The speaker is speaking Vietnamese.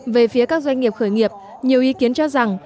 về phía các doanh nghiệp khởi nghiệp nhiều ý kiến cho rằng